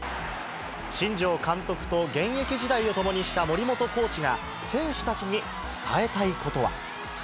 新庄監督と現役時代を共にした森本コーチが、選手たちに伝えたいことは。